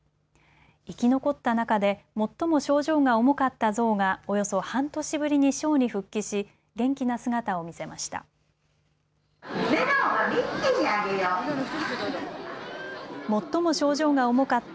生き残った中で最も症状が重かったゾウがおよそ半年ぶりにショーに復帰し元気な姿を見せました。